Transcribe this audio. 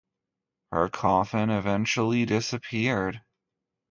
Her coffin eventually disappeared.